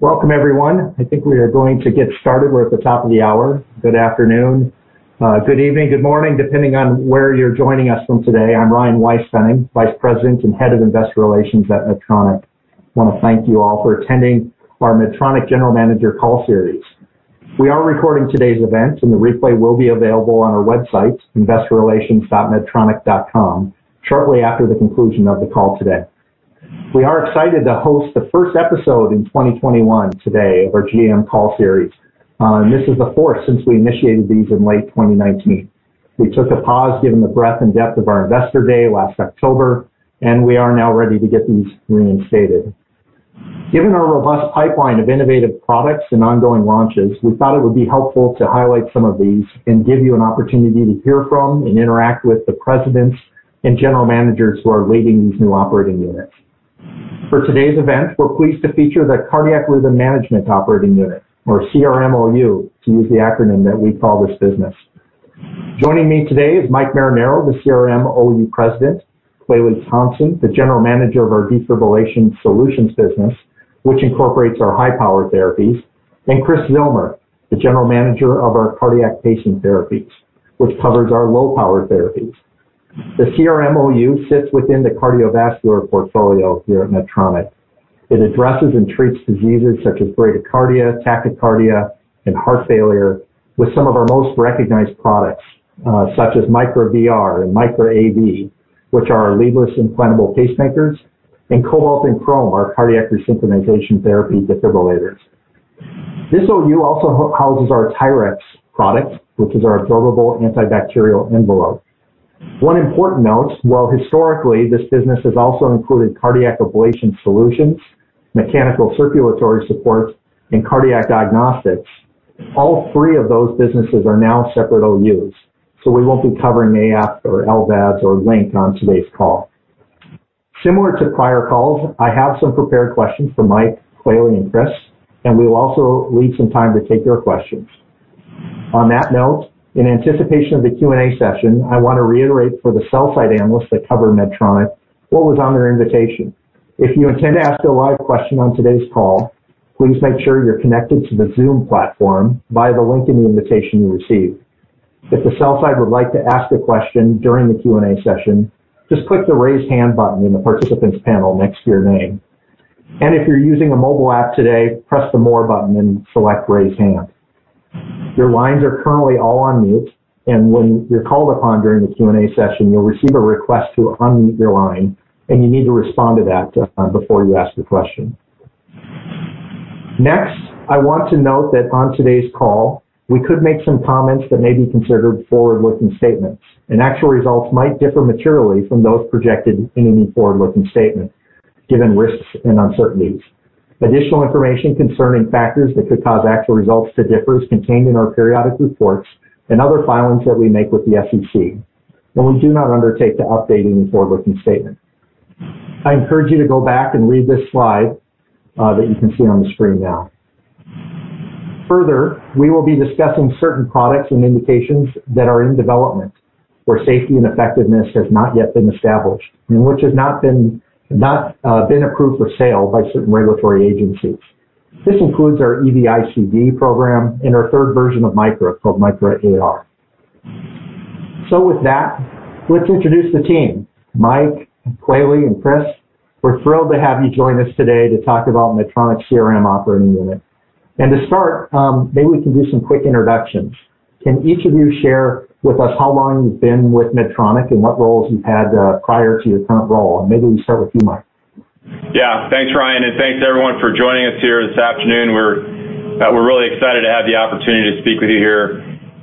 Welcome, everyone. I think we are going to get started. We're at the top of the hour. Good afternoon, good evening, good morning, depending on where you're joining us from today. I'm Ryan Weispfenning, Vice President and Head of Investor Relations at Medtronic. I want to thank you all for attending our Medtronic General Manager Call Series. We are recording today's event, and the replay will be available on our website, investorrelations.medtronic.com, shortly after the conclusion of the call today. We are excited to host the first episode in 2021 today of our GM Call Series. This is the fourth since we initiated these in late 2019. We took a pause given the breadth and depth of our Investor Day last October, and we are now ready to get these reinstated. Given our robust pipeline of innovative products and ongoing launches, we thought it would be helpful to highlight some of these and give you an opportunity to hear from and interact with the Presidents and General Managers who are leading these new operating units. For today's event, we're pleased to feature the Cardiac Rhythm Management operating unit, or CRM OU, to use the acronym that we call this business. Joining me today is Mike Marinaro, the CRM OU President, Kweli Thompson, the General Manager of our Defibrillation Solutions business, which incorporates our high-power therapies, and Chris Zillmer, the General Manager of our Cardiac Pacing Therapies, which covers our low-power therapies. The CRM OU sits within the Cardiovascular portfolio here at Medtronic. It addresses and treats diseases such as bradycardia, tachycardia, and heart failure with some of our most recognized products, such as Micra VR and Micra AV, which are our leadless implantable pacemakers, and Cobalt and Crome, our cardiac resynchronization therapy defibrillators. This OU also houses our TYRX product, which is our Absorbable Antibacterial Envelope. One important note, while historically this business has also included Cardiac Ablation Solutions, Mechanical Circulatory Supports, and Cardiac Diagnostics, all three of those businesses are now separate OUs. We won't be covering AF or LVADs or LINQ on today's call. Similar to prior calls, I have some prepared questions for Mike, Kweli, and Chris, and we will also leave some time to take your questions. On that note, in anticipation of the Q&A session, I want to reiterate for the sell-side analysts that cover Medtronic what was on their invitation. If you intend to ask a live question on today's call, please make sure you're connected to the Zoom platform via the link in the invitation you received. If the sell side would like to ask a question during the Q&A session, just click the Raise Hand button in the Participants panel next to your name. If you're using a mobile app today, press the More button and select Raise Hand. Your lines are currently all on mute, and when you're called upon during the Q&A session, you'll receive a request to unmute your line, and you need to respond to that before you ask a question. Next, I want to note that on today's call, we could make some comments that may be considered forward-looking statements, and actual results might differ materially from those projected in any forward-looking statement given risks and uncertainties. Additional information concerning factors that could cause actual results to differ is contained in our periodic reports and other filings that we make with the SEC. We do not undertake to update any forward-looking statement. I encourage you to go back and read this slide that you can see on the screen now. Further, we will be discussing certain products and indications that are in development, where safety and effectiveness has not yet been established and which has not been approved for sale by certain regulatory agencies. This includes our EV-ICD program and our third version of Micra, called Micra AR. With that, let's introduce the team. Mike, Kweli, and Chris, we're thrilled to have you join us today to talk about Medtronic's CRM operating unit. To start, maybe we can do some quick introductions. Can each of you share with us how long you've been with Medtronic and what roles you've had prior to your current role? Maybe we start with you, Mike. Yeah. Thanks, Ryan, thanks everyone for joining us here this afternoon. We're really excited to have the opportunity to speak with you here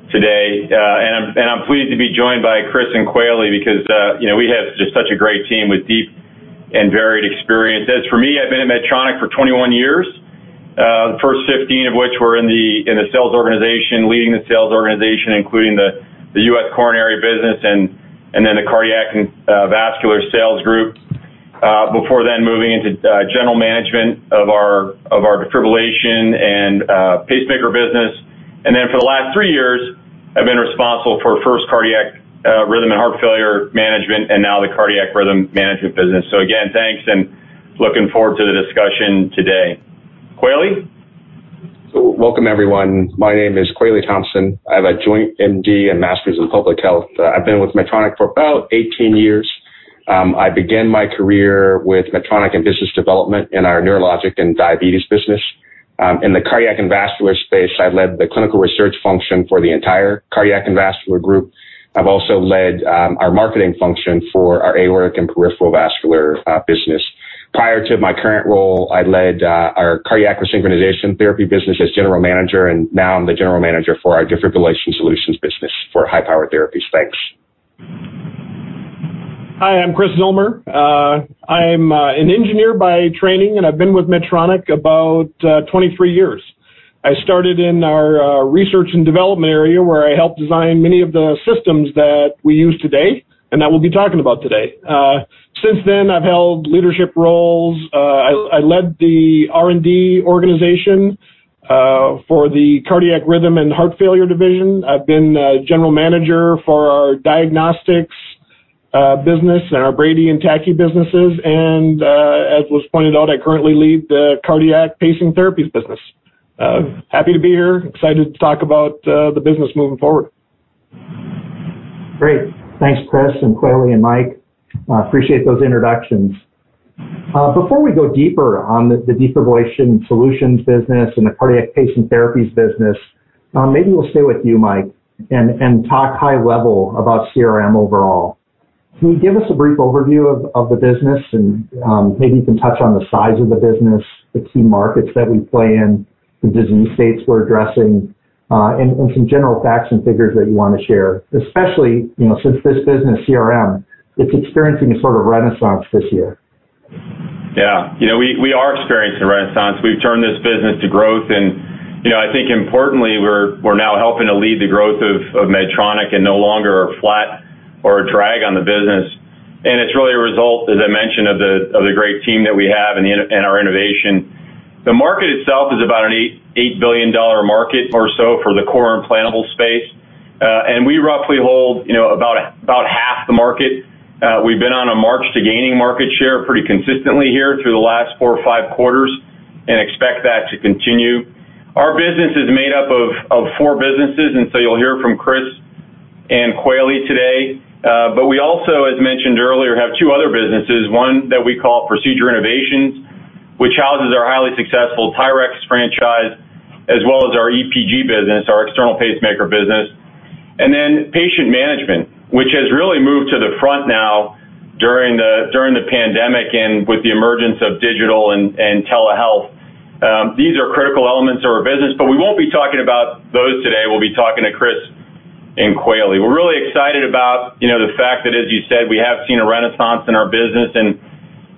today. I'm pleased to be joined by Chris and Kweli because we have just such a great team with deep and varied experiences. For me, I've been at Medtronic for 21 years, the first 15 of which were in the Sales organization, leading the Sales organization, including the U.S. Coronary business, the Cardiac and Vascular Sales Group, before moving into general management of our Defibrillation and Pacemaker business. For the last three years, I've been responsible for first Cardiac Rhythm and Heart Failure Management and now the Cardiac Rhythm Management business. Again, thanks, looking forward to the discussion today. Kweli? Welcome, everyone. My name is Kweli Thompson. I have a joint M.D. and Master's in Public Health. I've been with Medtronic for about 18 years. I began my career with Medtronic in business development in our Neurologic and Diabetes business. In the cardiac and vascular space, I led the clinical research function for the entire Cardiac and Vascular Group. I've also led our marketing function for our Aortic and Peripheral Vascular business. Prior to my current role, I led our Cardiac Resynchronization Therapy business as General Manager, and now I'm the General Manager for our Defibrillation Solutions business for high-power therapies. Thanks. Hi, I'm Chris Zillmer. I'm an engineer by training, and I've been with Medtronic about 23 years. I started in our research and development area, where I helped design many of the systems that we use today and that we'll be talking about today. Since then, I've held leadership roles. I led the R&D organization for the Cardiac Rhythm and Heart Failure division. I've been the General Manager for our Dagnostics business and our Brady and Tachy businesses. As was pointed out, I currently lead the Cardiac Pacing Therapies business. Happy to be here. Excited to talk about the business moving forward. Great. Thanks, Chris and Kweli and Mike. Appreciate those introductions. Before we go deeper on the Defibrillation Solutions business and the Cardiac Pacing Therapies business, maybe we'll stay with you, Mike, and talk high level about CRM overall. Can you give us a brief overview of the business? Maybe you can touch on the size of the business, the key markets that we play in, the disease states we're addressing, and some general facts and figures that you want to share. Especially, since this business, CRM, it's experiencing a sort of renaissance this year. Yeah. We are experiencing a renaissance. We've turned this business to growth, and I think importantly, we're now helping to lead the growth of Medtronic and no longer are flat or a drag on the business. It's really a result, as I mentioned, of the great team that we have and our innovation. The market itself is about an $8 billion market or so for the core implantable space. We roughly hold about half the market. We've been on a march to gaining market share pretty consistently here through the last four or five quarters and expect that to continue. Our business is made up of four businesses. You'll hear from Chris and Kweli today. We also, as mentioned earlier, have two other businesses, one that we call Procedure Innovations, which houses our highly successful TYRX franchise, as well as our EPG business, our external pacemaker business. Patient management, which has really moved to the front now during the pandemic and with the emergence of digital and telehealth. These are critical elements of our business, but we won't be talking about those today. We'll be talking to Chris and Kweli. We're really excited about the fact that, as you said, we have seen a renaissance in our business, and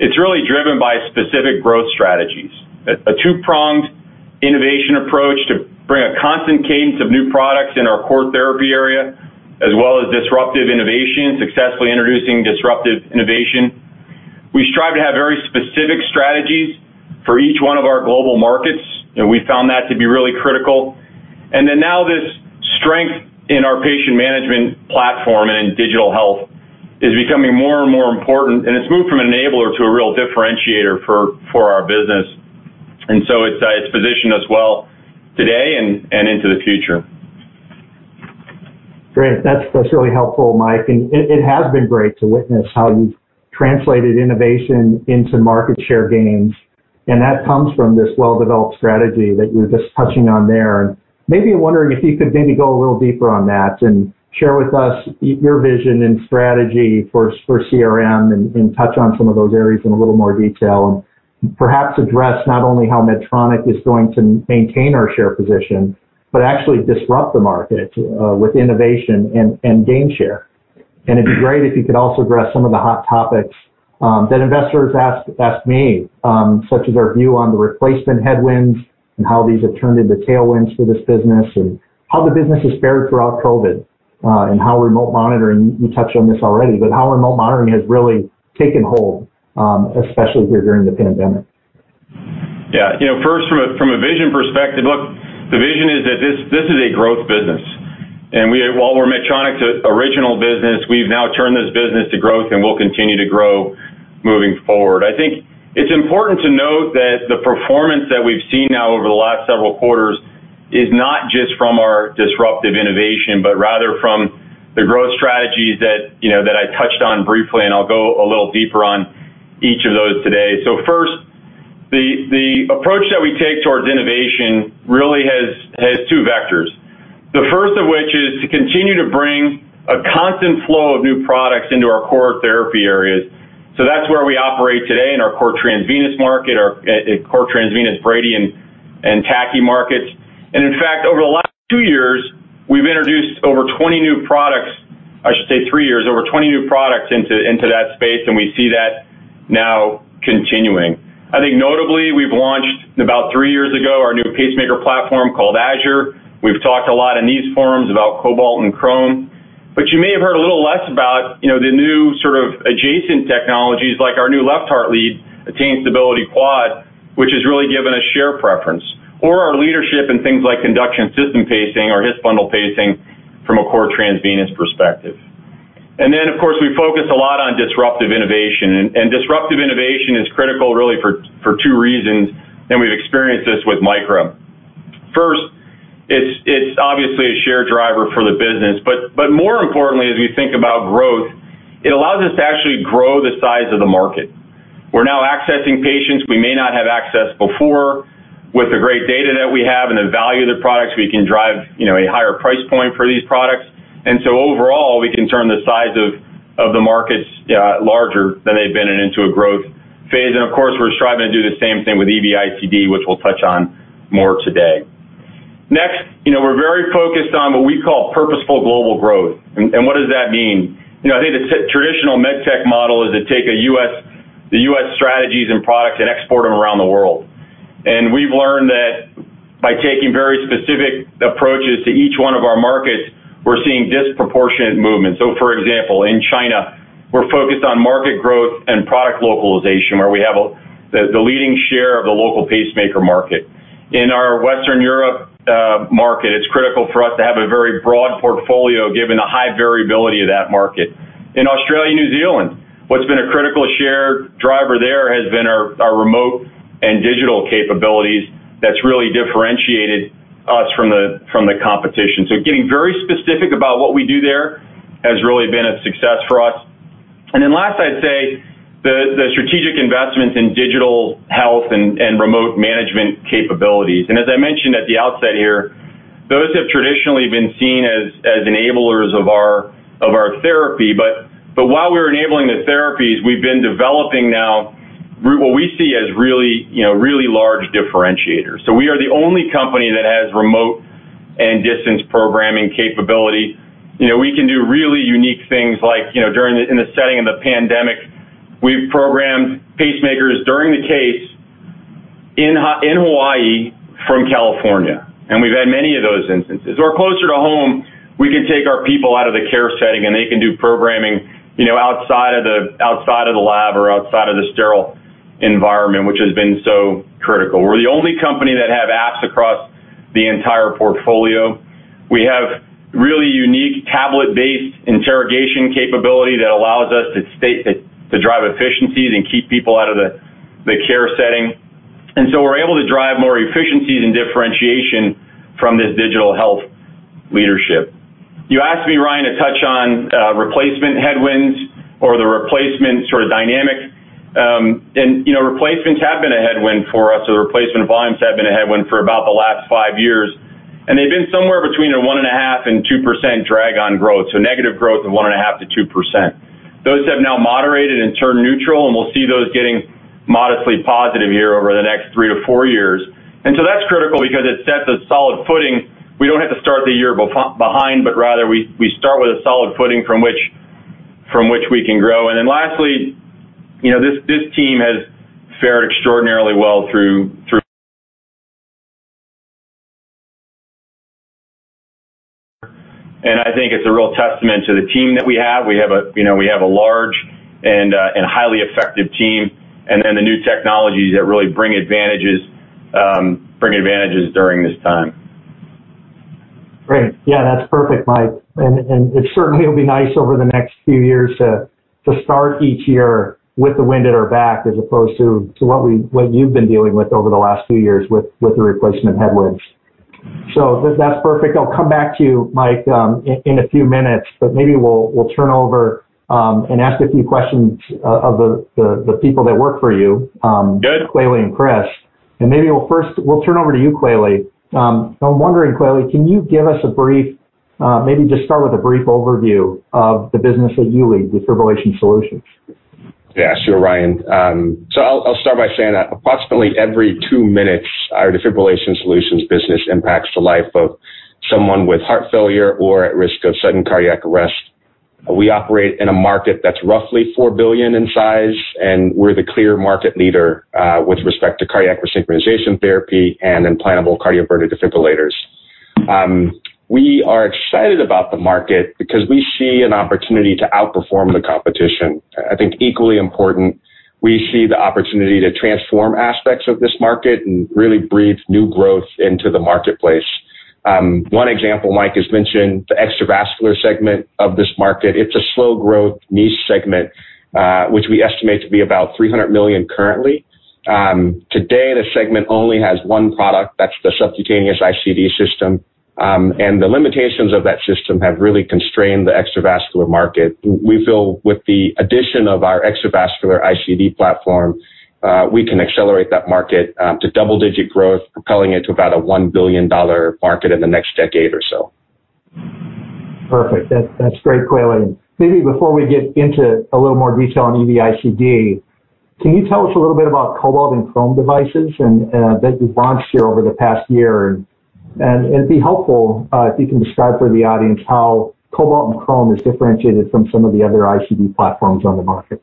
it's really driven by specific growth strategies. A two-pronged innovation approach to bring a constant cadence of new products in our core therapy area, as well as disruptive innovation, successfully introducing disruptive innovation. We strive to have very specific strategies for each one of our global markets, and we found that to be really critical. Now this strength in our patient management platform and in digital health is becoming more and more important, and it's moved from an enabler to a real differentiator for our business. It's positioned us well today and into the future. Great. That's really helpful, Mike. It has been great to witness how you've translated innovation into market share gains. That comes from this well-developed strategy that you were just touching on there. Maybe wondering if you could maybe go a little deeper on that and share with us your vision and strategy for CRM and touch on some of those areas in a little more detail. Perhaps address not only how Medtronic is going to maintain our share position, but actually disrupt the market with innovation and gain share. It'd be great if you could also address some of the hot topics that investors ask me, such as our view on the replacement headwinds and how these have turned into tailwinds for this business, and how the business has fared throughout COVID, and how remote monitoring, you touched on this already, but how remote monitoring has really taken hold, especially here during the pandemic. Yeah. First from a vision perspective, look, the vision is that this is a growth business. While we're Medtronic's original business, we've now turned this business to growth, and we'll continue to grow moving forward. I think it's important to note that the performance that we've seen now over the last several quarters is not just from our disruptive innovation, but rather from the growth strategies that I touched on briefly, and I'll go a little deeper on each of those today. First, the approach that we take towards innovation really has two vectors. The first of which is to continue to bring a constant flow of new products into our core therapy areas. That's where we operate today in our core transvenous market, our core transvenous Brady and Tachy markets. In fact, over the last two years, we've introduced over 20 new products. I should say three years, over 20 new products into that space. We see that now continuing. Notably, we've launched about three years ago, our new pacemaker platform called Azure. We've talked a lot in these forums about Cobalt and Crome. You may have heard a little less about the new sort of adjacent technologies like our new left heart lead, Attain Stability Quad, which has really given us share preference, or our leadership in things like conduction system pacing or His-bundle pacing from a core transvenous perspective. Of course, we focus a lot on disruptive innovation. Disruptive innovation is critical really for two reasons. We've experienced this with Micra. First, it's obviously a share driver for the business. More importantly, as we think about growth, it allows us to actually grow the size of the market. We're now accessing patients we may not have accessed before. With the great data that we have and the value of the products, we can drive a higher price point for these products. Overall, we can turn the size of the markets larger than they've been and into a growth phase. Of course, we're striving to do the same thing with EV-ICD, which we'll touch on more today. Next, we're very focused on what we call purposeful global growth. What does that mean? I think the traditional med tech model is to take the U.S. strategies and products and export them around the world. We've learned that by taking very specific approaches to each one of our markets, we're seeing disproportionate movement. So for example, in China, we focus on market growth and product localization where we have the leading share of the local pacemaker market. In our Western Europe market, it's critical for us to have a very broad portfolio, given the high variability of that market. In Australia, New Zealand, what's been a critical share driver there has been our remote and digital capabilities that's really differentiated us from the competition. Getting very specific about what we do there has really been a success for us. Last I'd say, the strategic investments in digital health and remote management capabilities. As I mentioned at the outset here, those have traditionally been seen as enablers of our therapy. While we're enabling the therapies, we've been developing now what we see as really large differentiators. We are the only company that has remote and distance programming capability. We can do really unique things like during in the setting of the pandemic, we've programmed pacemakers during the case in Hawaii from California, and we've had many of those instances. Closer to home, we can take our people out of the care setting, and they can do programming outside of the lab or outside of the sterile environment, which has been so critical. We're the only company that have apps across the entire portfolio. We have really unique tablet-based interrogation capability that allows us to drive efficiencies and keep people out of the care setting. We're able to drive more efficiencies and differentiation from this digital health leadership. You asked me, Ryan, to touch on replacement headwinds or the replacement sort of dynamic. Replacements have been a headwind for us, or replacement volumes have been a headwind for about the last five years. They've been somewhere between a 1.5% and 2% drag on growth. Negative growth of 1.5% to 2%. Those have now moderated and turned neutral. We'll see those getting modestly positive here over the next three to four years. That's critical because it sets a solid footing. We don't have to start the year behind, but rather we start with a solid footing from which we can grow. Lastly, this team has fared extraordinarily well. I think it's a real testament to the team that we have. We have a large and highly effective team. The new technologies that really bring advantages during this time. Great. Yeah, that's perfect, Mike. It certainly will be nice over the next few years to start each year with the wind at our back as opposed to what you've been dealing with over the last few years with the replacement headwinds. That's perfect. I'll come back to you, Mike, in a few minutes, but maybe we'll turn over and ask a few questions of the people that work for you. Good Kweli and Chris. Maybe we'll first turn over to you, Kweli. I'm wondering, Kweli, can you give us a brief, maybe just start with a brief overview of the business that you lead, Defibrillation Solutions? Yeah, sure, Ryan. I'll start by saying that approximately every two minutes, our Defibrillation Solutions business impacts the life of someone with heart failure or at risk of sudden cardiac arrest. We operate in a market that's roughly $4 billion in size, and we're the clear market leader with respect to cardiac resynchronization therapy and implantable cardioverter-defibrillators. We are excited about the market because we see an opportunity to outperform the competition. I think equally important, we see the opportunity to transform aspects of this market and really breathe new growth into the marketplace. One example Mike has mentioned, the extravascular segment of this market. It's a slow-growth niche segment, which we estimate to be about $300 million currently. Today, the segment only has one product, that's the subcutaneous ICD system. The limitations of that system have really constrained the extravascular market. We feel with the addition of our extravascular ICD platform, we can accelerate that market to double-digit growth, propelling it to about a $1 billion market in the next decade or so. Perfect. That's great, Kweli. Maybe before we get into a little more detail on EV-ICD, can you tell us a little bit about Cobalt and Crome devices that you've launched here over the past year? It'd be helpful if you can describe for the audience how Cobalt and Crome is differentiated from some of the other ICD platforms on the market.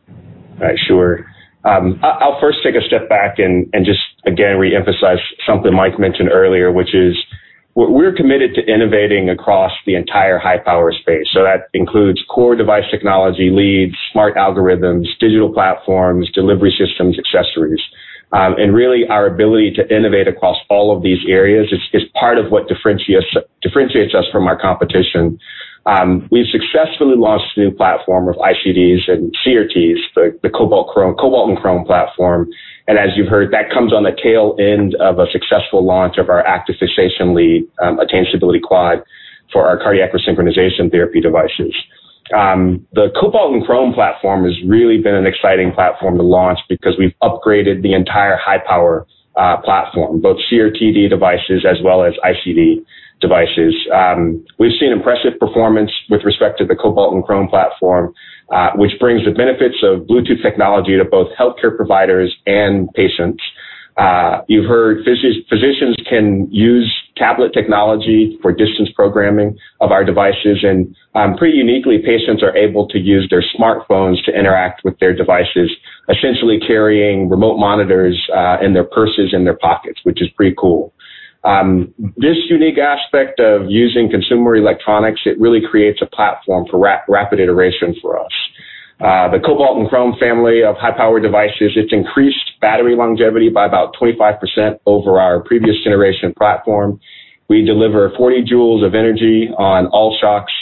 Sure. I'll first take a step back and just again reemphasize something Mike mentioned earlier, which is we're committed to innovating across the entire high-power space. That includes core device technology, leads, smart algorithms, digital platforms, delivery systems, accessories. Really our ability to innovate across all of these areas is part of what differentiates us from our competition. We've successfully launched a new platform of ICDs and CRTs, the Cobalt and Crome platform. As you've heard, that comes on the tail end of a successful launch of our Active Fixation lead Attain Stability Quad for our cardiac resynchronization therapy devices. The Cobalt and Crome platform has really been an exciting platform to launch because we've upgraded the entire high-power platform, both CRT-D devices as well as ICD devices. We've seen impressive performance with respect to the Cobalt and Crome platform, which brings the benefits of Bluetooth technology to both healthcare providers and patients. You've heard physicians can use tablet technology for distance programming of our devices, and pretty uniquely, patients are able to use their smartphones to interact with their devices, essentially carrying remote monitors in their purses and their pockets, which is pretty cool. This unique aspect of using consumer electronics, it really creates a platform for rapid iteration for us. The Cobalt and Crome family of high-power devices, it's increased battery longevity by about 25% over our previous generation platform. We deliver 40 J of energy on all shocks.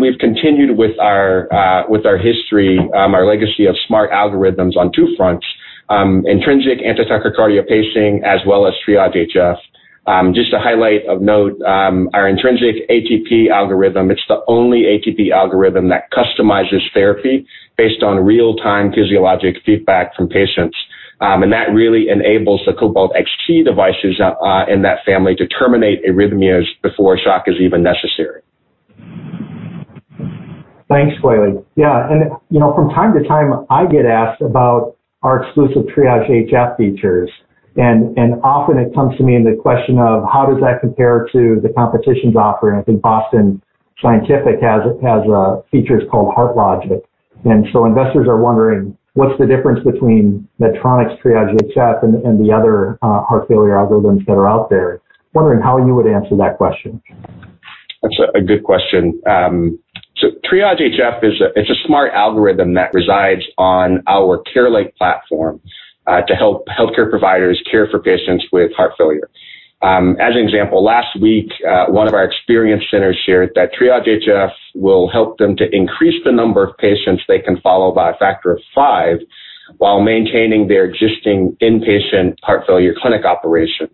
We've continued with our history, our legacy of smart algorithms on two fronts, intrinsic antitachycardia pacing as well as TriageHF. Just a highlight of note our intrinsic ATP algorithm, it is the only ATP algorithm that customizes therapy based on real-time physiologic feedback from patients. That really enables the Cobalt XT devices in that family to terminate arrhythmias before a shock is even necessary. Thanks, Kweli. Yeah. From time to time, I get asked about our exclusive TriageHF features. Often it comes to me in the question of how does that compare to the competition's offering. I think Boston Scientific has features called HeartLogic. Investors are wondering what's the difference between Medtronic's TriageHF and the other heart failure algorithms that are out there. Wondering how you would answer that question. That's a good question. TriageHF, it's a smart algorithm that resides on our CareLink platform to help healthcare providers care for patients with heart failure. As an example, last week one of our experience centers shared that TriageHF will help them to increase the number of patients they can follow by a factor of five while maintaining their existing inpatient heart failure clinic operations.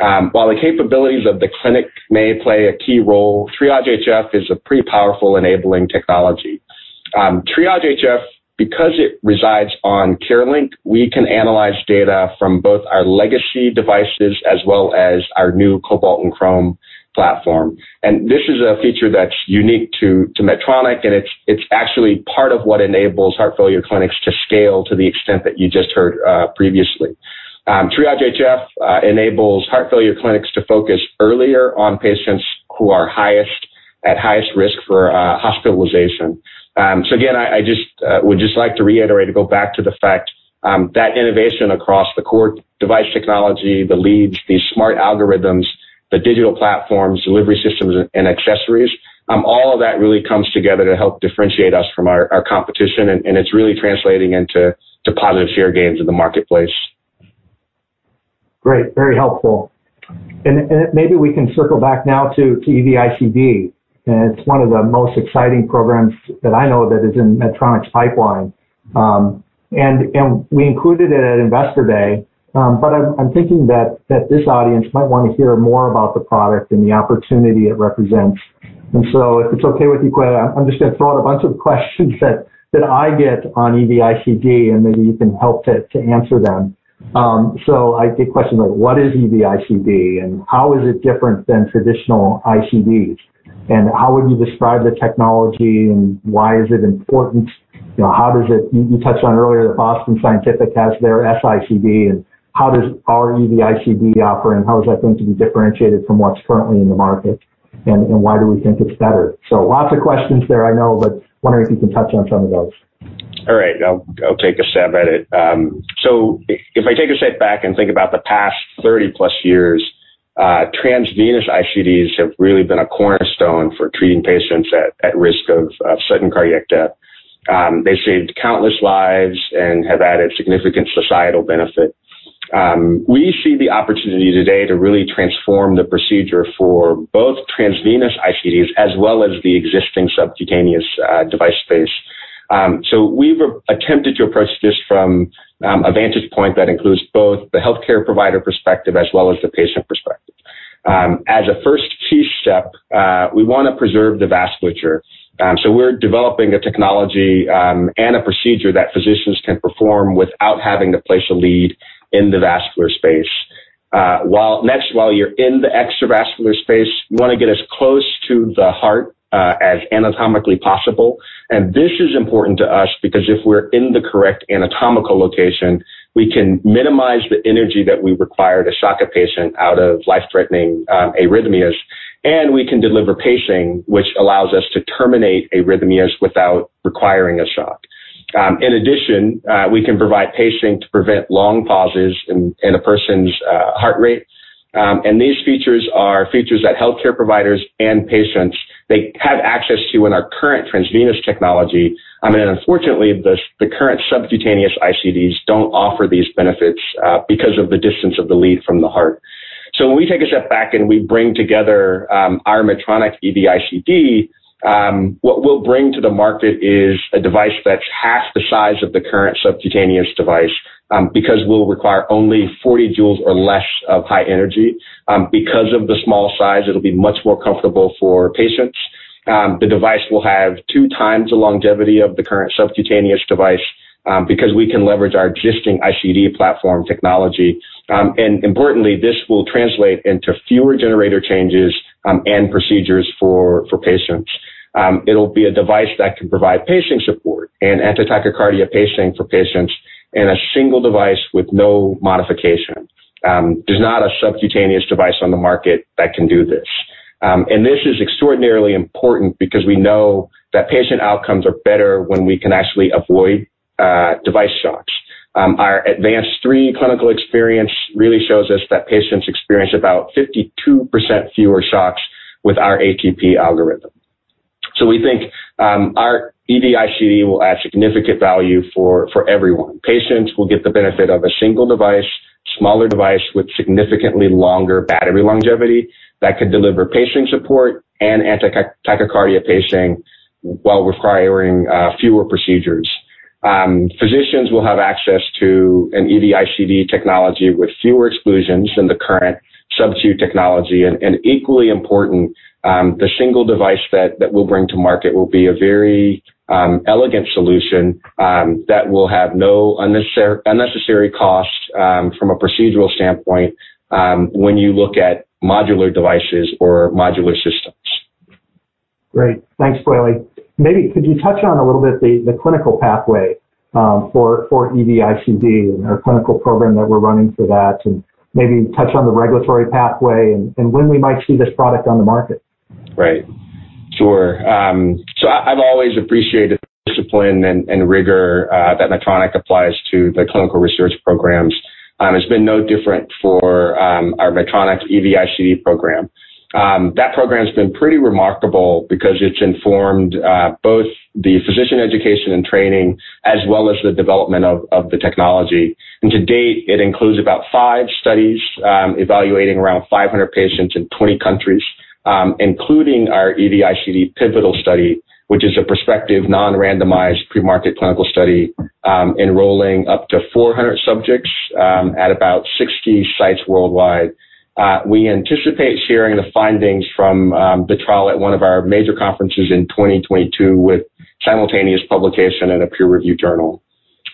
While the capabilities of the clinic may play a key role, TriageHF is a pretty powerful enabling technology. TriageHF, because it resides on CareLink, we can analyze data from both our legacy devices as well as our new Cobalt and Crome platform. This is a feature that's unique to Medtronic, and it's actually part of what enables heart failure clinics to scale to the extent that you just heard previously. TriageHF enables heart failure clinics to focus earlier on patients who are at highest risk for hospitalization. Again, I would just like to reiterate, to go back to the fact that innovation across the core device technology, the leads, these smart algorithms, the digital platforms, delivery systems, and accessories all of that really comes together to help differentiate us from our competition, and it is really translating into positive share gains in the marketplace. Great. Very helpful. Maybe we can circle back now to EV-ICD. It's one of the most exciting programs that I know that is in Medtronic's pipeline. We included it at Investor Day. I'm thinking that this audience might want to hear more about the product and the opportunity it represents. If it's okay with you, Kweli, I'm just going to throw out a bunch of questions that I get on EV-ICD, and maybe you can help to answer them. I get questions like, what is EV-ICD? How is it different than traditional ICDs? How would you describe the technology? Why is it important? You touched on earlier that Boston Scientific has their S-ICD, and how does our EV-ICD operate, and how is that going to be differentiated from what's currently in the market? Why do we think it's better? Lots of questions there I know, but wondering if you can touch on some of those. All right. I'll take a stab at it. If I take a step back and think about the past 30+ years, transvenous ICDs have really been a cornerstone for treating patients at risk of sudden cardiac death. They've saved countless lives and have added significant societal benefit. We see the opportunity today to really transform the procedure for both transvenous ICDs as well as the existing subcutaneous device space. We've attempted to approach this from a vantage point that includes both the healthcare provider perspective as well as the patient perspective. As a first key step, we want to preserve the vasculature so we're developing a technology and a procedure that physicians can perform without having to place a lead in the vascular space. Next, while you're in the extravascular space, you want to get as close to the heart as anatomically possible. This is important to us because if we're in the correct anatomical location, we can minimize the energy that we require to shock a patient out of life-threatening arrhythmias, and we can deliver pacing, which allows us to terminate arrhythmias without requiring a shock. In addition, we can provide pacing to prevent long pauses in a person's heart rate. These features are features that healthcare providers and patients, they have access to in our current transvenous technology. Unfortunately, the current subcutaneous ICDs don't offer these benefits because of the distance of the lead from the heart. When we take a step back and we bring together our Medtronic EV-ICD what we'll bring to the market is a device that's half the size of the current subcutaneous device because we'll require only 40 J or less of high energy. Because of the small size, it'll be much more comfortable for patients. The device will have 2x the longevity of the current subcutaneous device because we can leverage our existing ICD platform technology. Importantly, this will translate into fewer generator changes and procedures for patients. It'll be a device that can provide pacing support and antitachycardia pacing for patients in a single device with no modification. There's not a subcutaneous device on the market that can do this. This is extraordinarily important because we know that patient outcomes are better when we can actually avoid device shocks. Our ADVANCE III clinical experience really shows us that patients experience about 52% fewer shocks with our ATP algorithm. We think our EV-ICD will add significant value for everyone. Patients will get the benefit of a single device, smaller device with significantly longer battery longevity that could deliver pacing support and antitachycardia pacing while requiring fewer procedures. Physicians will have access to an EV-ICD technology with fewer exclusions than the current substitute technology. Equally important, the single device that we'll bring to market will be a very elegant solution that will have no unnecessary costs from a procedural standpoint when you look at modular devices or modular systems. Great. Thanks, Kweli. Maybe could you touch on a little bit the clinical pathway for EV-ICD and our clinical program that we're running for that, and maybe touch on the regulatory pathway and when we might see this product on the market? Right. Sure. I've always appreciated the discipline and rigor that Medtronic applies to the clinical research programs. It's been no different for our Medtronic EV-ICD program. That program's been pretty remarkable because it's informed both the physician education and training as well as the development of the technology. To date, it includes about five studies evaluating around 500 patients in 20 countries, including our EV-ICD pivotal study, which is a prospective, non-randomized pre-market clinical study enrolling up to 400 subjects at about 60 sites worldwide. We anticipate sharing the findings from the trial at one of our major conferences in 2022 with simultaneous publication in a peer-reviewed journal.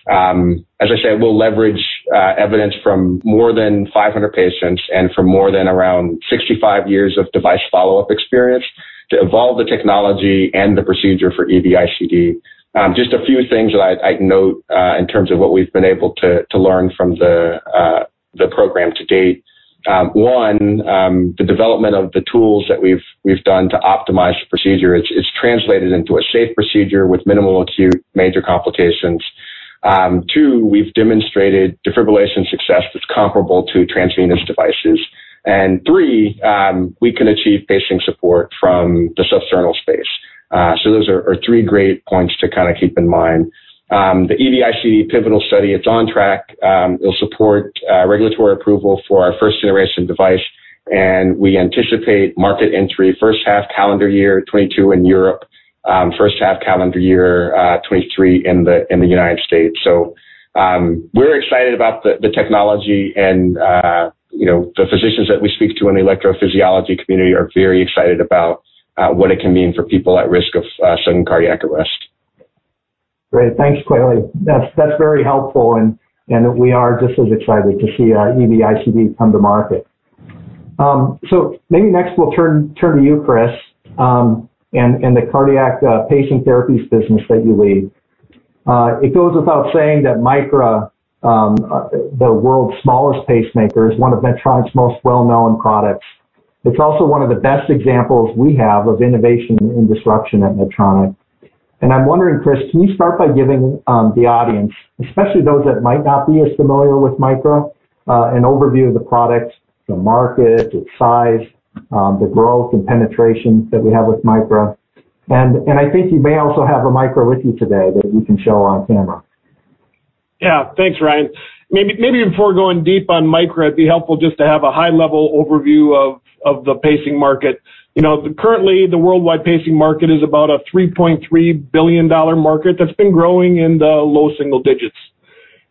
As I said, we'll leverage evidence from more than 500 patients and from more than around 65 years of device follow-up experience to evolve the technology and the procedure for EV-ICD. Just a few things that I'd note in terms of what we've been able to learn from the program to date. One, the development of the tools that we've done to optimize the procedure. It's translated into a safe procedure with minimal acute major complications. Two, we've demonstrated defibrillation success that's comparable to transvenous devices. Three, we can achieve pacing support from the substernal space. Those are three great points to kind of keep in mind. The EV-ICD pivotal study, it's on track. It'll support regulatory approval for our 1st generation device. We anticipate market entry first half calendar year 2022 in Europe, first half calendar year 2023 in the U.S. We're excited about the technology and the physicians that we speak to in the electrophysiology community are very excited about what it can mean for people at risk of sudden cardiac arrest. Great. Thanks, Kweli. That's very helpful, we are just as excited to see our EV-ICD come to market. Maybe next we'll turn to you, Chris, and the Cardiac Pacing Therapies business that you lead. It goes without saying that Micra, the world's smallest pacemaker, is one of Medtronic's most well-known products. It's also one of the best examples we have of innovation and disruption at Medtronic. I'm wondering, Chris, can you start by giving the audience, especially those that might not be as familiar with Micra, an overview of the product, the market, its size, the growth and penetration that we have with Micra? I think you may also have a Micra with you today that you can show on camera. Thanks, Ryan. Maybe before going deep on Micra, it'd be helpful just to have a high-level overview of the pacing market. Currently, the worldwide pacing market is about a $3.3 billion market that's been growing in the low single digits.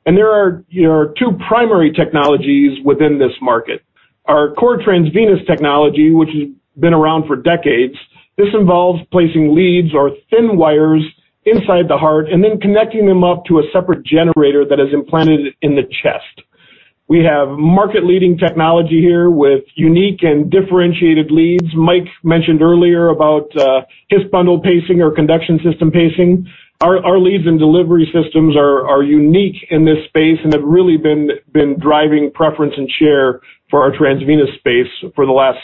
There are two primary technologies within this market. Our core transvenous technology, which has been around for decades. This involves placing leads or thin wires inside the heart and then connecting them up to a separate generator that is implanted in the chest. We have market-leading technology here with unique and differentiated leads. Mike mentioned earlier about His bundle pacing or conduction system pacing. Our leads and delivery systems are unique in this space and have really been driving preference and share for our transvenous space for the last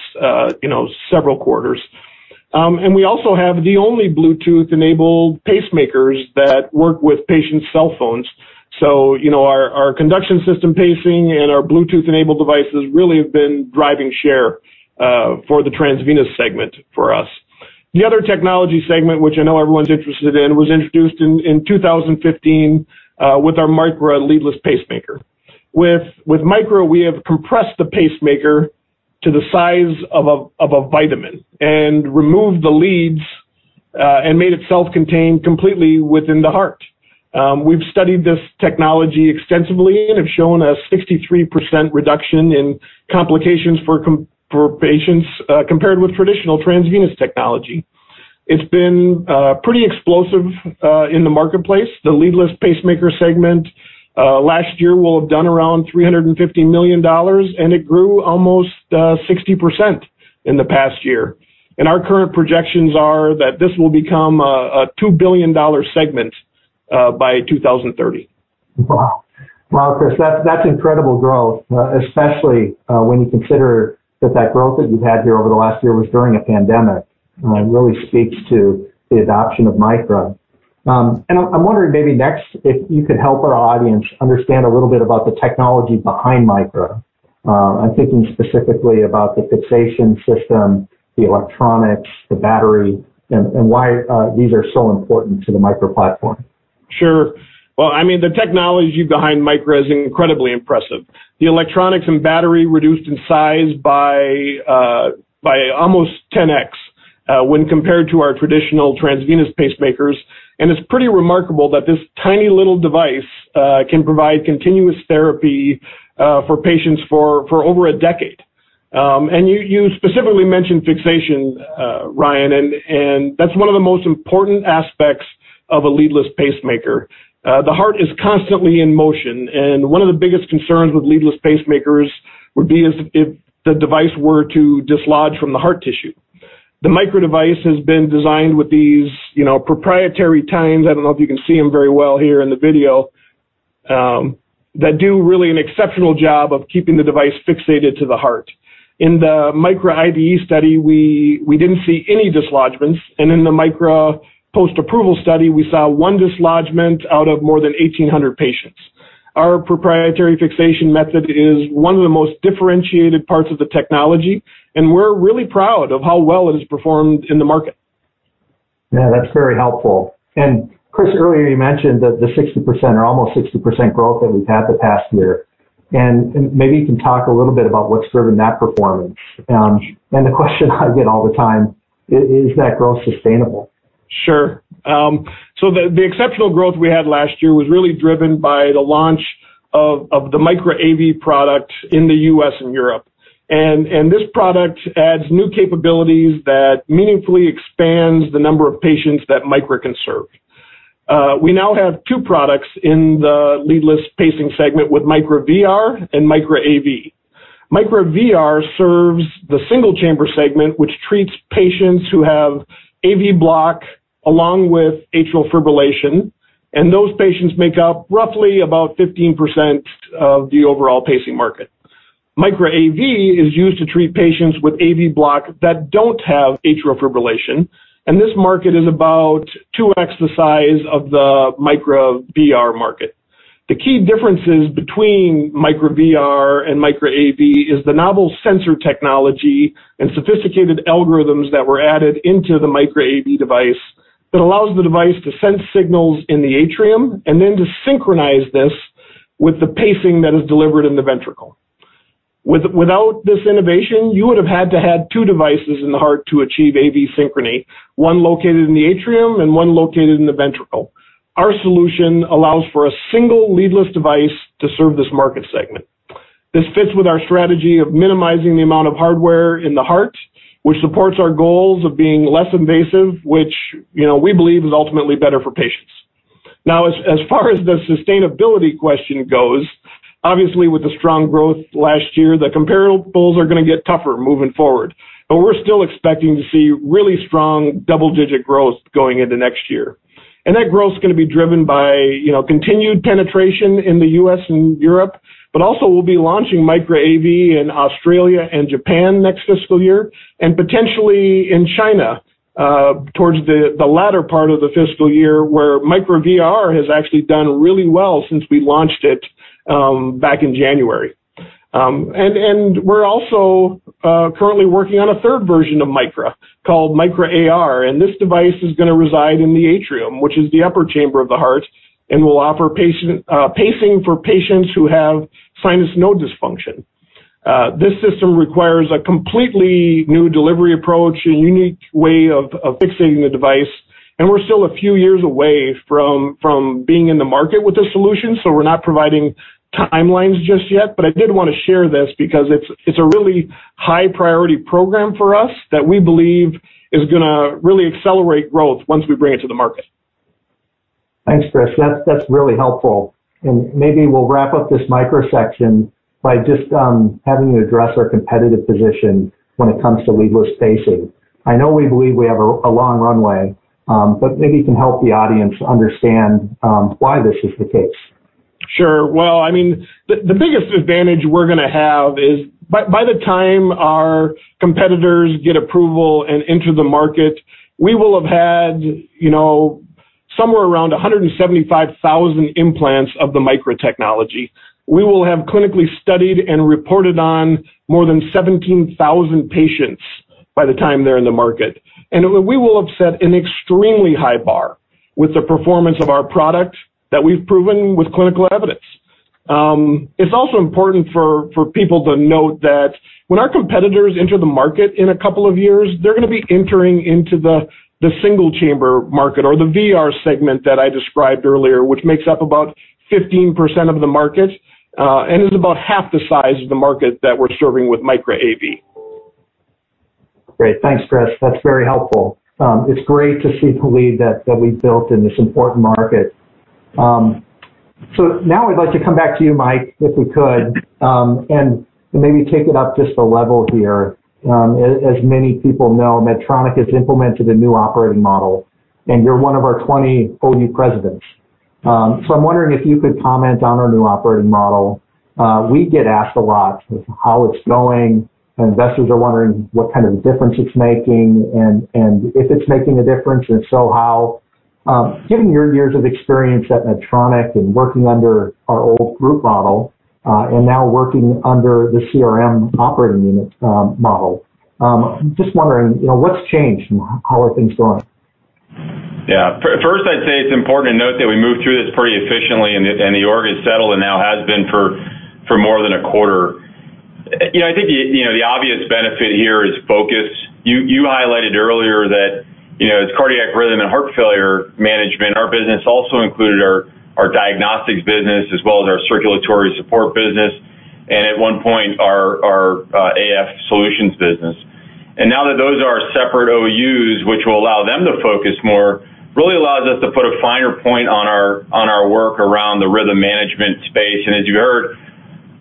several quarters. We also have the only Bluetooth-enabled pacemakers that work with patients' cell phones. Our conduction system pacing and our Bluetooth-enabled devices really have been driving share for the transvenous segment for us. The other technology segment, which I know everyone's interested in, was introduced in 2015 with our Micra leadless pacemaker. With Micra, we have compressed the pacemaker to the size of a vitamin and removed the leads and made it self-contained completely within the heart. We've studied this technology extensively and have shown a 63% reduction in complications for patients compared with traditional transvenous technology. It's been pretty explosive in the marketplace. The leadless pacemaker segment last year will have done around $350 million, and it grew almost 60% in the past year. Our current projections are that this will become a $2 billion segment by 2030. Wow, Chris, that's incredible growth, especially when you consider that that growth that you've had here over the last year was during a pandemic. It really speaks to the adoption of Micra. I'm wondering maybe next, if you could help our audience understand a little bit about the technology behind Micra. I'm thinking specifically about the fixation system, the electronics, the battery, and why these are so important to the Micra platform. Sure. Well, the technology behind Micra is incredibly impressive. The electronics and battery reduced in size by almost 10x when compared to our traditional transvenous pacemakers. It's pretty remarkable that this tiny little device can provide continuous therapy for patients for over a decade. You specifically mentioned fixation, Ryan, and that's one of the most important aspects of a leadless pacemaker. The heart is constantly in motion, and one of the biggest concerns with leadless pacemakers would be is if the device were to dislodge from the heart tissue. The Micra device has been designed with these proprietary tines, I don't know if you can see them very well here in the video, that do really an exceptional job of keeping the device fixated to the heart. In the Micra IDE study, we didn't see any dislodgments, and in the Micra post-approval study, we saw one dislodgment out of more than 1,800 patients. Our proprietary fixation method is one of the most differentiated parts of the technology, and we're really proud of how well it has performed in the market. Yeah, that's very helpful. Chris, earlier you mentioned the 60% or almost 60% growth that we've had the past year. Maybe you can talk a little bit about what's driven that performance. The question I get all the time, is that growth sustainable? Sure. The exceptional growth we had last year was really driven by the launch of the Micra AV product in the U.S. and Europe. This product adds new capabilities that meaningfully expands the number of patients that Micra can serve. We now have two products in the leadless pacing segment with Micra VR and Micra AV. Micra VR serves the single-chamber segment, which treats patients who have AV block along with atrial fibrillation, and those patients make up roughly about 15% of the overall pacing market. Micra AV is used to treat patients with AV block that don't have atrial fibrillation, and this market is about 2x the size of the Micra VR market. The key differences between Micra VR and Micra AV is the novel sensor technology and sophisticated algorithms that were added into the Micra AV device that allows the device to sense signals in the atrium, and then to synchronize this with the pacing that is delivered in the ventricle. Without this innovation, you would've had to have two devices in the heart to achieve AV synchrony, one located in the atrium and one located in the ventricle. Our solution allows for a single leadless device to serve this market segment. This fits with our strategy of minimizing the amount of hardware in the heart, which supports our goals of being less invasive, which we believe is ultimately better for patients. As far as the sustainability question goes, obviously with the strong growth last year, the comparables are going to get tougher moving forward. We're still expecting to see really strong double-digit growth going into next year. That growth's going to be driven by continued penetration in the U.S. and Europe. Also, we'll be launching Micra AV in Australia and Japan next fiscal year, and potentially in China towards the latter part of the fiscal year, where Micra VR has actually done really well since we launched it back in January. We're also currently working on a third version of Micra called Micra AR. This device is going to reside in the atrium, which is the upper chamber of the heart, and will offer pacing for patients who have sinus node dysfunction. This system requires a completely new delivery approach, a unique way of fixating the device. We're still a few years away from being in the market with this solution. We're not providing timelines just yet. I did want to share this because it's a really high-priority program for us that we believe is going to really accelerate growth once we bring it to the market. Thanks, Chris. That's really helpful. Maybe we'll wrap up this Micra section by just having you address our competitive position when it comes to leadless pacing. I know we believe we have a long runway, but maybe you can help the audience understand why this is the case. Well, the biggest advantage we're going to have is by the time our competitors get approval and enter the market, we will have had somewhere around 175,000 implants of the Micra technology. We will have clinically studied and reported on more than 17,000 patients by the time they're in the market. We will have set an extremely high bar with the performance of our product that we've proven with clinical evidence. It's also important for people to note that when our competitors enter the market in a couple of years, they're going to be entering into the single-chamber market or the VR segment that I described earlier, which makes up about 15% of the market, and is about half the size of the market that we're serving with Micra AV. Great. Thanks, Chris. That's very helpful. It's great to see the lead that we've built in this important market. Now I'd like to come back to you, Mike, if we could, and maybe take it up just a level here. As many people know, Medtronic has implemented a new operating model. You're one of our 20 OU presidents. I'm wondering if you could comment on our new operating model. We get asked a lot how it's going, and investors are wondering what kind of difference it's making, and if it's making a difference, and if so, how. Given your years of experience at Medtronic and working under our old group model, and now working under the CRM operating unit model, I'm just wondering what's changed and how are things going? First, I'd say it's important to note that we moved through this pretty efficiently and the org is settled and now has been for more than a quarter. I think the obvious benefit here is focus. You highlighted earlier that as Cardiac Rhythm and Heart Failure Management, our business also included our Diagnostics business as well as our Circulatory Support business, and at one point, our AF Solutions business. Now that those are our separate OUs, which will allow them to focus more, really allows us to put a finer point on our work around the Rhythm Management space. As you heard,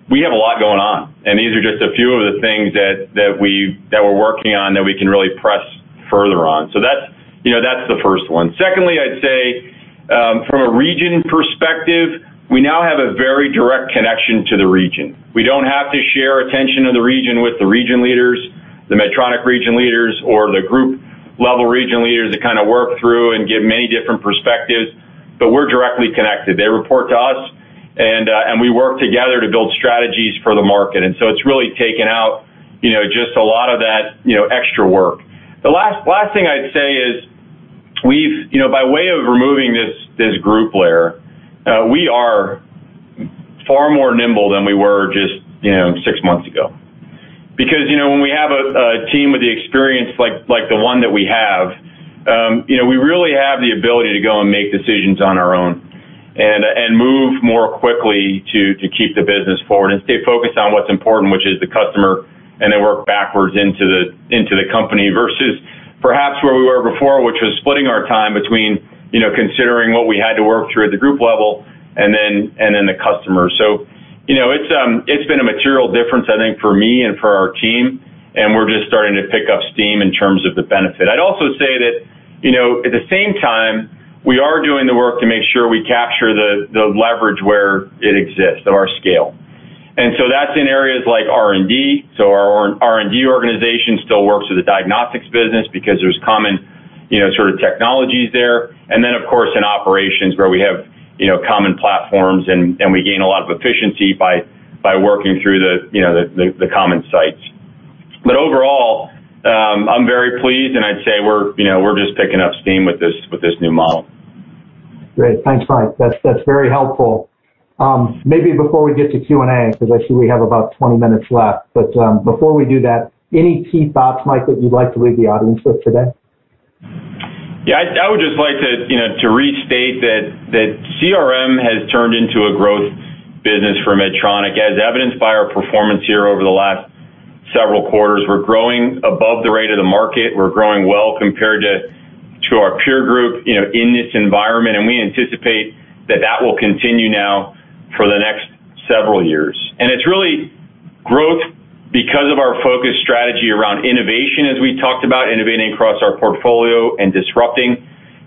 we have a lot going on, and these are just a few of the things that we're working on that we can really press further on. That's the first one. Secondly, I'd say, from a region perspective, we now have a very direct connection to the region. We don't have to share attention to the region with the region leaders, the Medtronic region leaders or the group-level region leaders that kind of work through and give many different perspectives, but we're directly connected. They report to us, and we work together to build strategies for the market. It's really taken out just a lot of that extra work. The last thing I'd say is, by way of removing this group layer, we are far more nimble than we were just six months ago. Because when we have a team with the experience like the one that we have, we really have the ability to go and make decisions on our own and move more quickly to keep the business forward and stay focused on what's important, which is the customer, and then work backwards into the company versus perhaps where we were before, which was splitting our time between considering what we had to work through at the group level and then the customer. It's been a material difference, I think, for me and for our team, and we're just starting to pick up steam in terms of the benefit. I'd also say that at the same time, we are doing the work to make sure we capture the leverage where it exists at our scale. That's in areas like R&D. Our R&D organization still works with the Diagnostics business because there's common sort of technologies there. Of course, in operations where we have common platforms and we gain a lot of efficiency by working through the common sites. Overall, I'm very pleased, and I'd say we're just picking up steam with this new model. Great. Thanks, Mike. That's very helpful. Maybe before we get to Q&A, because I see we have about 20 minutes left, but before we do that, any key thoughts, Mike, that you'd like to leave the audience with today? Yeah. I would just like to restate that CRM has turned into a growth business for Medtronic, as evidenced by our performance here over the last several quarters. We're growing above the rate of the market. We're growing well compared to our peer group in this environment, and we anticipate that that will continue now for the next several years. It's really growth because of our focus strategy around innovation, as we talked about, innovating across our portfolio and disrupting.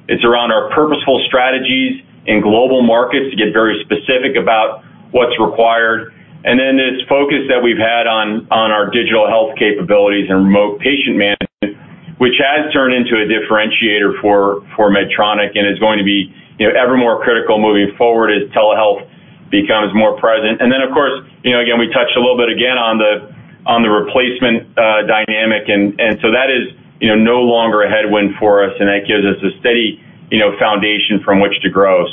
It's around our purposeful strategies in global markets to get very specific about what's required. This focus that we've had on our digital health capabilities and remote patient management, which has turned into a differentiator for Medtronic and is going to be ever more critical moving forward as telehealth becomes more present. Of course, again, we touched a little bit again on the replacement dynamic, and so that is no longer a headwind for us, and that gives us a steady foundation from which to grow.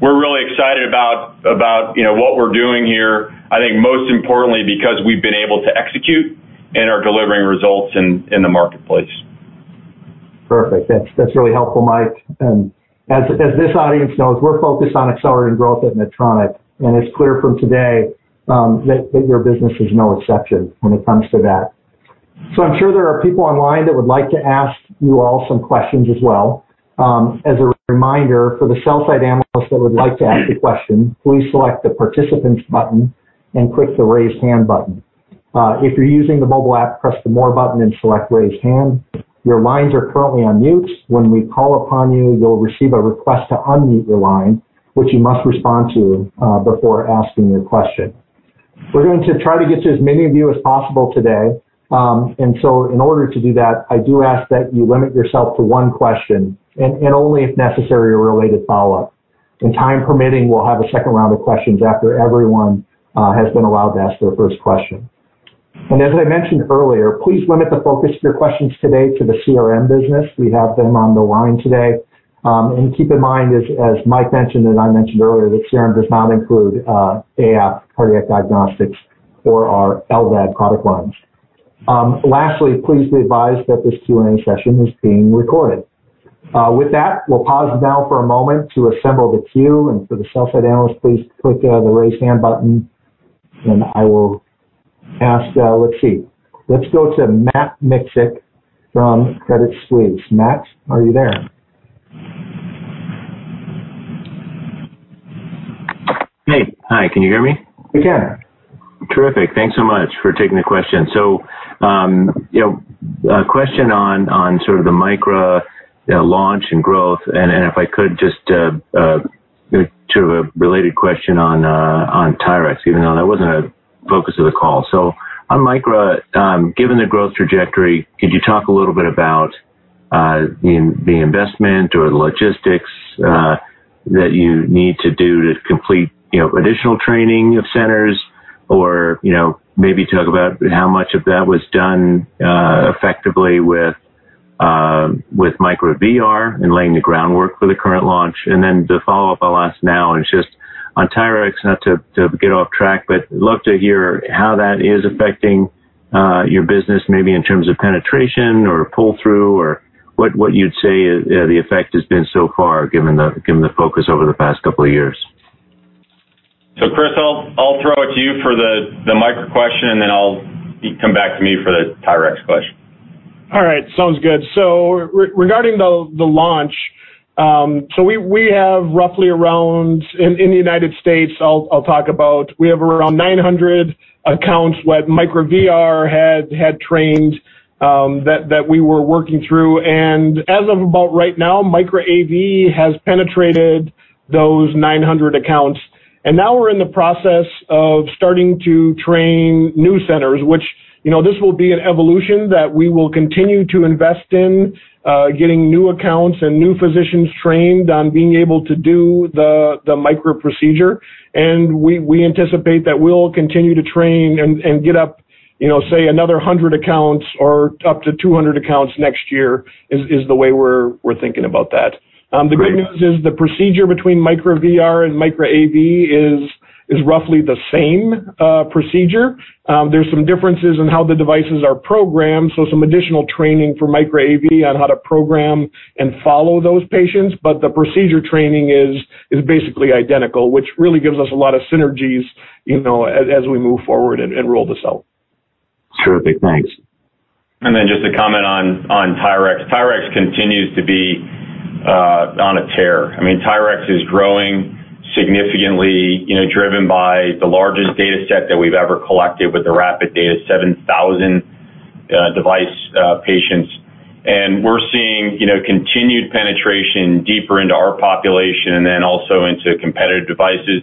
We're really excited about what we're doing here, I think most importantly, because we've been able to execute and are delivering results in the marketplace. Perfect. That's really helpful, Mike. As this audience knows, we're focused on accelerating growth at Medtronic, and it's clear from today that your business is no exception when it comes to that. I'm sure there are people online that would like to ask you all some questions as well. As a reminder, for the sell-side analysts that would like to ask a question, please select the Participants button and click the Raise Hand button. If you're using the mobile app, press the More button and select Raise Hand. Your lines are currently on mute. When we call upon you'll receive a request to unmute your line, which you must respond to before asking your question. We're going to try to get to as many of you as possible today. In order to do that, I do ask that you limit yourself to one question and only if necessary, a related follow-up. Time permitting, we'll have a second round of questions after everyone has been allowed to ask their first question. As I mentioned earlier, please limit the focus of your questions today to the CRM business. We have them on the line today. Keep in mind, as Mike mentioned and I mentioned earlier, that CRM does not include AF Cardiac Diagnostics or our LVAD product lines. Lastly, please be advised that this Q&A session is being recorded. With that, we'll pause now for a moment to assemble the queue, and for the sell-side analysts, please click the Raise Hand button, and I will ask. [Now] let's see. Let's go to Matt Miksic from Credit Suisse. Matt, are you there? Hey. Hi, can you hear me? We can. Terrific. Thanks so much for taking the question. A question on sort of the Micra launch and growth, and if I could, just sort of a related question on TYRX, even though that wasn't a focus of the call. On Micra, given the growth trajectory, could you talk a little bit about the investment or the logistics that you need to do to complete additional training of centers, or maybe talk about how much of that was done effectively with Micra VR and laying the groundwork for the current launch. The follow-up I'll ask now is just on TYRX, not to get off track, but love to hear how that is affecting your business, maybe in terms of penetration or pull-through, or what you'd say the effect has been so far given the focus over the past couple of years. Chris, I'll throw it to you for the Micra question, and then I'll come back to me for the TYRX question. All right. Sounds good. Regarding the launch, so we have roughly around, in the U.S., I'll talk about, we have around 900 accounts that Micra VR had trained that we were working through. As of about right now, Micra AV has penetrated those 900 accounts. Now we're in the process of starting to train new centers, which this will be an evolution that we will continue to invest in getting new accounts and new physicians trained on being able to do the Micra procedure. We anticipate that we'll continue to train and get up, say, another 100 accounts or up to 200 accounts next year, is the way we're thinking about that. Great. The good news is the procedure between Micra VR and Micra AV is roughly the same procedure. There's some differences in how the devices are programmed, so some additional training for Micra AV on how to program and follow those patients. The procedure training is basically identical, which really gives us a lot of synergies as we move forward and roll this out. Terrific. Thanks. Just to comment on TYRX. TYRX continues to be on a tear. I mean, TYRX is growing significantly, driven by the largest dataset that we've ever collected with the WRAP-IT data, 7,000 device patients. We're seeing continued penetration deeper into our population and then also into competitive devices.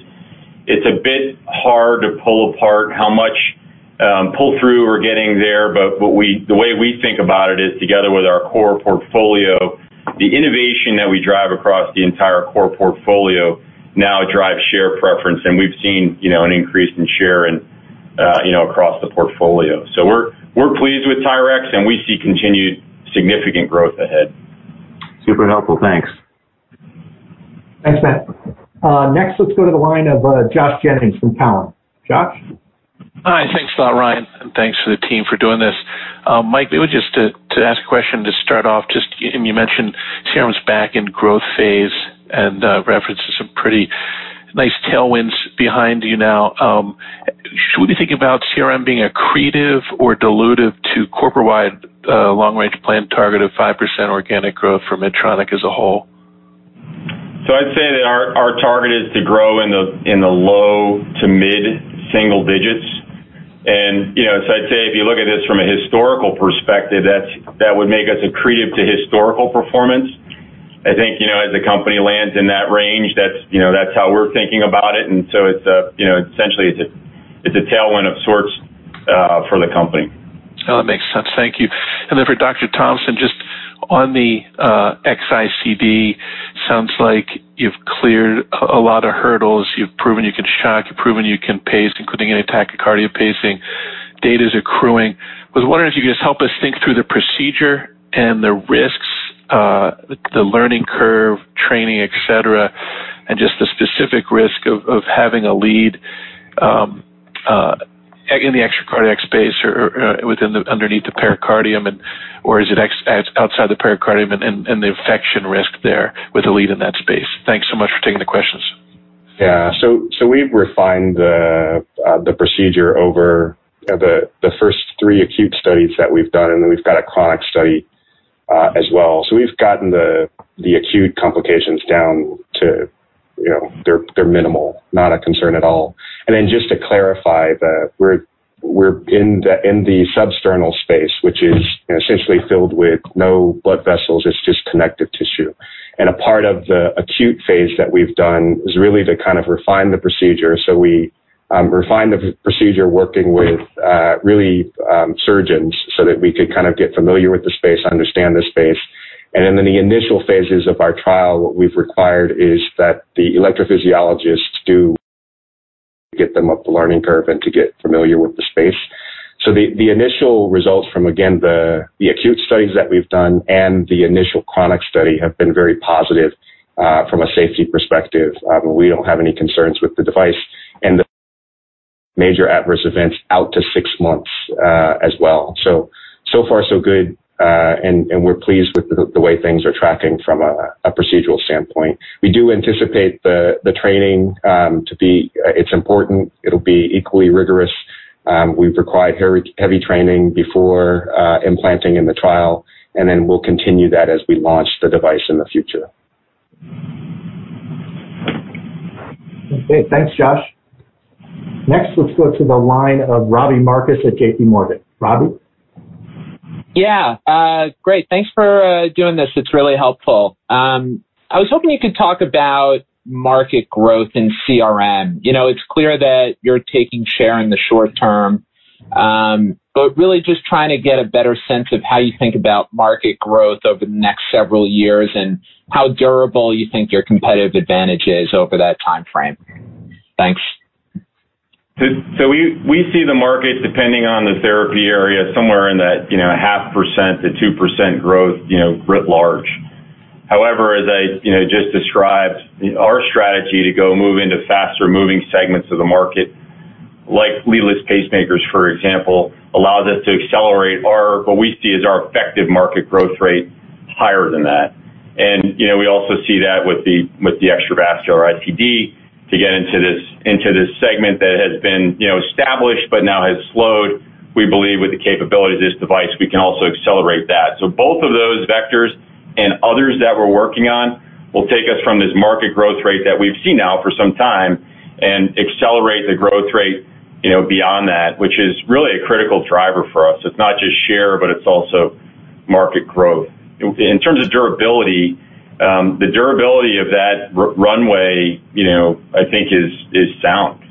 It's a bit hard to pull apart how much pull-through we're getting there. The way we think about it is together with our core portfolio, the innovation that we drive across the entire core portfolio now drives share preference, and we've seen an increase in share across the portfolio. We're pleased with TYRX, and we see continued significant growth ahead. Super helpful. Thanks. Thanks, Matt. Next, let's go to the line of Josh Jennings from Cowen. Josh? Hi. Thanks a lot, Ryan, and thanks to the team for doing this. Mike, maybe just to ask a question to start off, you mentioned CRM's back in growth phase and referenced some pretty nice tailwinds behind you now. Should we think about CRM being accretive or dilutive to corporate-wide long-range plan target of 5% organic growth for Medtronic as a whole? I'd say that our target is to grow in the low to mid-single digits. I'd say if you look at this from a historical perspective, that would make us accretive to historical performance. I think as the company lands in that range, that's how we're thinking about it, and so essentially it's a tailwind of sorts for the company. Oh, that makes sense. Thank you. For Dr. Thompson, just on the EV-ICD, sounds like you've cleared a lot of hurdles. You've proven you can shock, you've proven you can pace, including antitachycardia pacing. Data's accruing. Was wondering if you could just help us think through the procedure and the risks, the learning curve, training, et cetera, and just the specific risk of having a lead in the extra cardiac space or underneath the pericardium, or is it outside the pericardium and the infection risk there with a lead in that space? Thanks so much for taking the questions. Yeah. We've refined the procedure over the first three acute studies that we've done. We've got a chronic study as well. We've gotten the acute complications down to they're minimal, not a concern at all. Just to clarify, we're in the substernal space, which is essentially filled with no blood vessels. It's just connective tissue. A part of the acute phase that we've done is really to kind of refine the procedure. We refined the procedure working with really surgeons so that we could kind of get familiar with the space, understand the space. In the initial phases of our trial, what we've required is that the electrophysiologists do get them up the learning curve and to get familiar with the space. The initial results from, again, the acute studies that we've done and the initial chronic study have been very positive from a safety perspective. We don't have any concerns with the device and major adverse events out to six months as well. So far so good, and we're pleased with the way things are tracking from a procedural standpoint. We do anticipate the training to be important. It'll be equally rigorous. We've required heavy training before implanting in the trial, and then we'll continue that as we launch the device in the future. Okay. Thanks, Josh. Let's go to the line of Robbie Marcus at JPMorgan. Robbie? Yeah. Great. Thanks for doing this. It's really helpful. I was hoping you could talk about market growth in CRM. It's clear that you're taking share in the short term. Really just trying to get a better sense of how you think about market growth over the next several years and how durable you think your competitive advantage is over that timeframe. Thanks. We see the market depending on the therapy area, somewhere in that 0.5%-2% growth writ large. However, as I just described, our strategy to go move into faster moving segments of the market, like leadless pacemakers, for example, allows us to accelerate what we see as our effective market growth rate higher than that. We also see that with the extravascular ICD to get into this segment that has been established but now has slowed. We believe with the capability of this device, we can also accelerate that. Both of those vectors and others that we're working on will take us from this market growth rate that we've seen now for some time and accelerate the growth rate beyond that, which is really a critical driver for us. It's not just share, but it's also market growth. In terms of durability, the durability of that runway, I think is sound.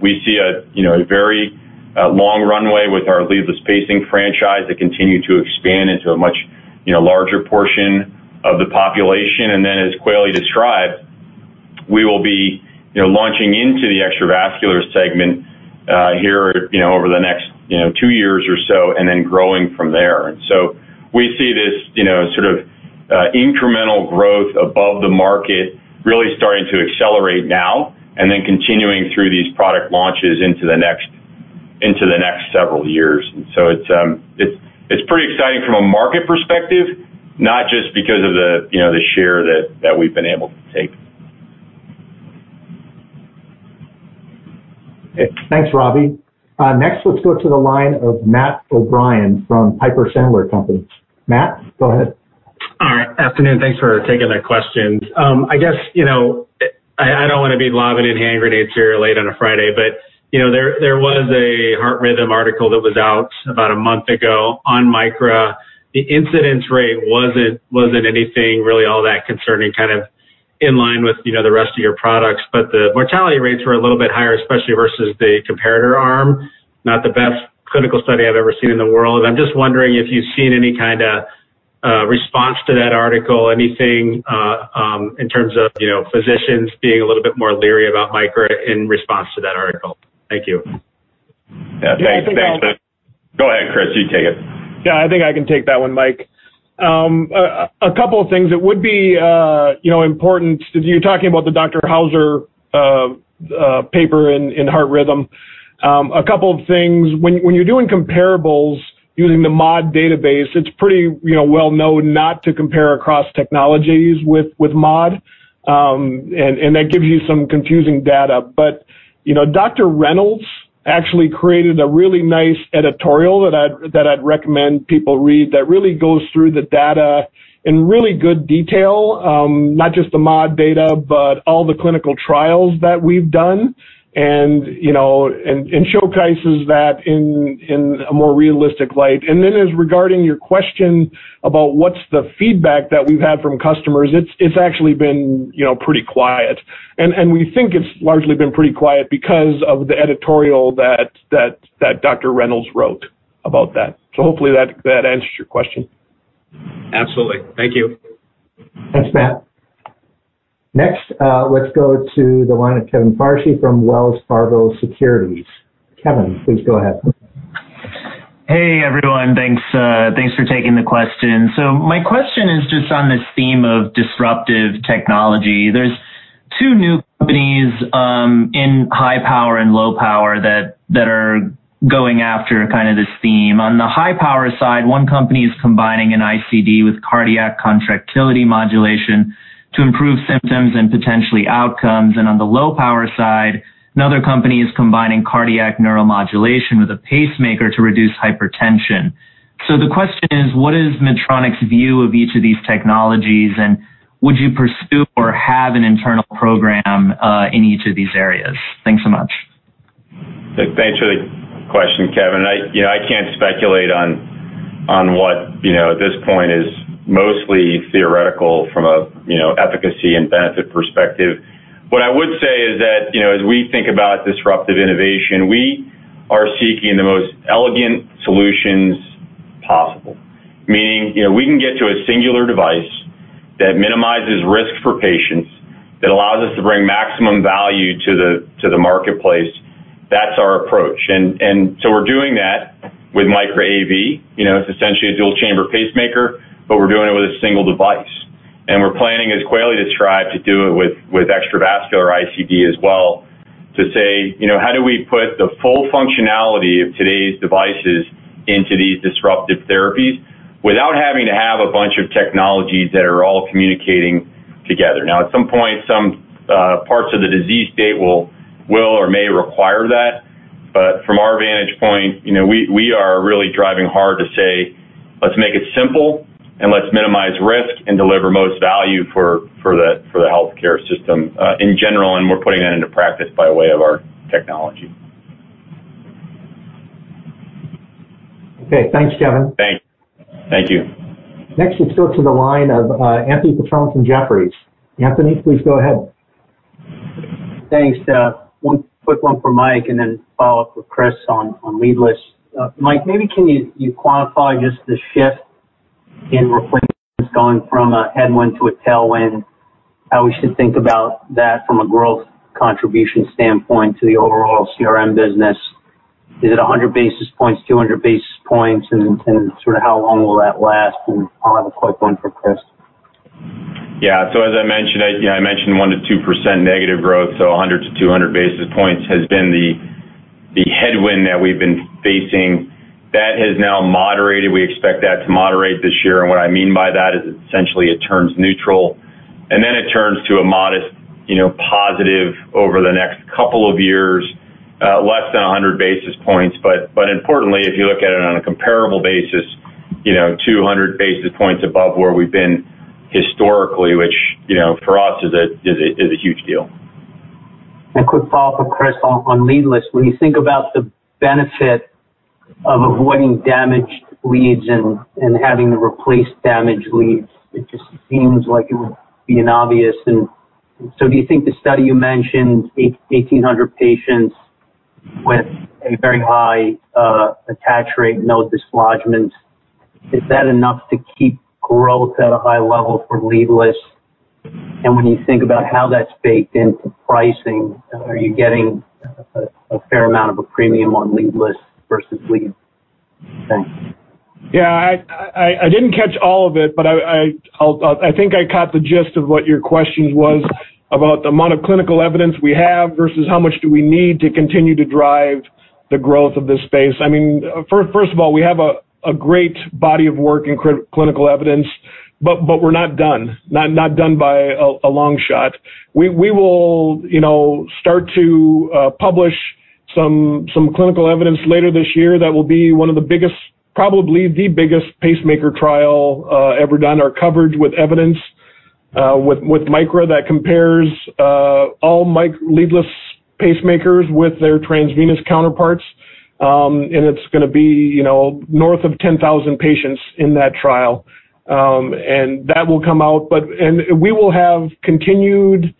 We see a very long runway with our leadless pacing franchise that continue to expand into a much larger portion of the population. As Kweli described, we will be launching into the extravascular segment here over the next two years or so, then growing from there. We see this sort of incremental growth above the market really starting to accelerate now, then continuing through these product launches into the next several years. It's pretty exciting from a market perspective, not just because of the share that we've been able to take. Okay. Thanks, Robbie. Let's go to the line of Matt O'Brien from Piper Sandler Companies. Matt, go ahead. All right. Afternoon. Thanks for taking the questions. I don't want to be lobbing in hand grenades here late on a Friday, there was a Heart Rhythm article that was out about a month ago on Micra. The incidence rate wasn't anything really all that concerning, kind of in line with the rest of your products. The mortality rates were a little bit higher, especially versus the comparator arm, not the best clinical study I've ever seen in the world. I'm just wondering if you've seen any kind of response to that article, anything in terms of physicians being a little bit more leery about Micra in response to that article. Thank you. Yeah. Thanks, Matt. Go ahead, Chris. You take it. Yeah, I think I can take that one, Mike. A couple of things that would be important, you're talking about the Robert Hauser paper in Heart Rhythm. A couple of things. When you're doing comparables using the MAUDE database, it's pretty well known not to compare across technologies with MAUDE, and that gives you some confusing data. Dr. Reynolds actually created a really nice editorial that I'd recommend people read that really goes through the data in really good detail. Not just the MAUDE data, but all the clinical trials that we've done and showcases that in a more realistic light. Then as regarding your question about what's the feedback that we've had from customers, it's actually been pretty quiet. We think it's largely been pretty quiet because of the editorial that Dr. Reynolds wrote about that. Hopefully that answers your question. Absolutely. Thank you. Thanks, Matt. Let's go to the line of Kevin Farshchi from Wells Fargo Securities. Kevin, please go ahead. Hey, everyone. Thanks for taking the question. My question is just on this theme of disruptive technology. There's two new companies in high power and low power that are going after kind of this theme. On the high power side, one company is combining an ICD with cardiac contractility modulation to improve symptoms and potentially outcomes. On the low power side, another company is combining cardiac neuromodulation with a pacemaker to reduce hypertension. The question is, what is Medtronic's view of each of these technologies, and would you pursue or have an internal program in each of these areas? Thanks so much. Thanks for the question, Kevin. I can't speculate on what at this point is mostly theoretical from a efficacy and benefit perspective. What I would say is that as we think about disruptive innovation, we are seeking the most elegant solutions possible, meaning if we can get to a singular device that minimizes risk for patients, that allows us to bring maximum value to the marketplace, that's our approach. We're doing that with Micra AV. It's essentially a dual chamber pacemaker, but we're doing it with a single device. We're planning, as Kweli described, to do it with extravascular ICD as well to say, how do we put the full functionality of today's devices into these disruptive therapies without having to have a bunch of technologies that are all communicating together. At some point, some parts of the disease state will or may require that, but from our vantage point, we are really driving hard to say, let's make it simple and let's minimize risk and deliver most value for the healthcare system in general, and we're putting that into practice by way of our technology. Okay. Thanks, Kevin. Thank you. Next, let's go to the line of Anthony Petrone from Jefferies. Anthony, please go ahead. Thanks, [Ryan]. One quick one for Mike and then follow up with Chris on leadless. Mike, maybe can you quantify just the shift in replacements going from a headwind to a tailwind, how we should think about that from a growth contribution standpoint to the overall CRM business? Is it 100 basis points, 200 basis points, and sort of how long will that last? I'll have a quick one for Chris. Yeah. As I mentioned, I mentioned 1%-2% negative growth, so 100 to 200 basis points has been the headwind that we've been facing. That has now moderated. We expect that to moderate this year. What I mean by that is essentially it turns neutral, and then it turns to a modest positive over the next couple of years, less than 100 basis points. Importantly, if you look at it on a comparable basis, 200 basis points above where we've been historically, which for us is a huge deal. A quick follow-up for Chris on leadless. When you think about the benefit of avoiding damaged leads and having to replace damaged leads, it just seems like it would be an obvious. Do you think the study you mentioned, 1,800 patients with a very high attach rate, no dislodgement, is that enough to keep growth at a high level for leadless? When you think about how that's baked into pricing, are you getting a fair amount of a premium on leadless versus lead? Thanks. Yeah. I didn't catch all of it, but I think I caught the gist of what your question was about the amount of clinical evidence we have versus how much do we need to continue to drive the growth of this space. First of all, we have a great body of work in clinical evidence, but we're not done, not done by a long shot. We will start to publish some clinical evidence later this year that will be one of the biggest, probably the biggest pacemaker trial ever done or covered with evidence with Micra that compares all leadless pacemakers with their transvenous counterparts, and it's going to be north of 10,000 patients in that trial. That will come out. We will have continued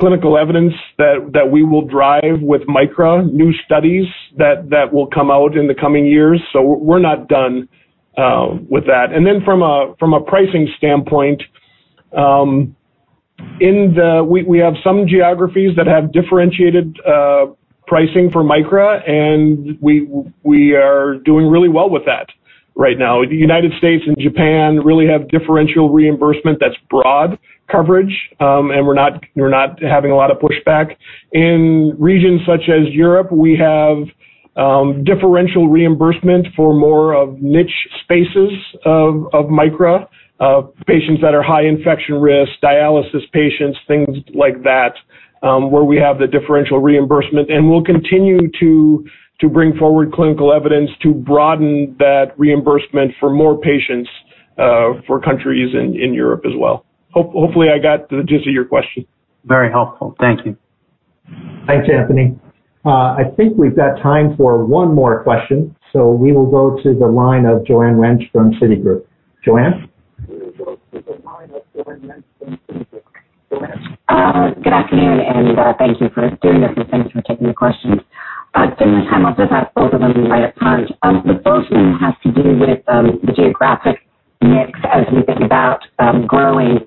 clinical evidence that we will drive with Micra, new studies that will come out in the coming years. We're not done with that. From a pricing standpoint, we have some geographies that have differentiated pricing for Micra, and we are doing really well with that right now. The United States and Japan really have differential reimbursement that's broad coverage, and we're not having a lot of pushback. In regions such as Europe, we have differential reimbursement for more of niche spaces of Micra, patients that are high infection risk, dialysis patients, things like that, where we have the differential reimbursement. We'll continue to bring forward clinical evidence to broaden that reimbursement for more patients for countries in Europe as well. Hopefully, I got the gist of your question. Very helpful. Thank you. Thanks, Anthony. I think we've got time for one more question. We will go to the line of Joanne Wuensch from Citigroup. Joanne? Good afternoon, and thank you for doing this, and thanks for taking the questions. If I may, I'll just ask both of them at the right time. The first one has to do with the geographic mix as we think about growing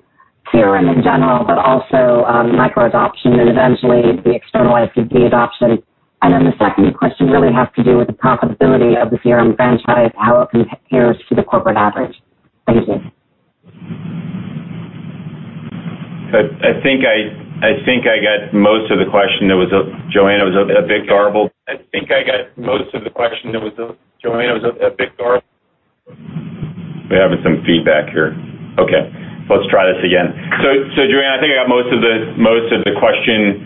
CRM in general, but also Micra adoption and eventually the externalized [ICD] adoption. The second question really has to do with the profitability of the CRM franchise, how it compares to the corporate average. Thank you. I think I got most of the question. Joanne, was it a bit garbled? I think I got most of the question. Joanne, was it a bit garbled? We're having some feedback here. Okay. Let's try this again. Joanne, I think I got most of the question.